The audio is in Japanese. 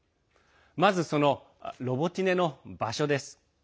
まず、そのロボティネの場所です。